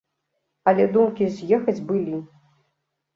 Але думкі з'ехаць былі.